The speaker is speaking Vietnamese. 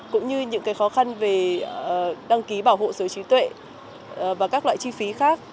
cũng như những khó khăn về đăng ký bảo hộ sở trí tuệ và các loại chi phí khác